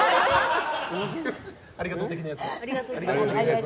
ありがとう的なやつ。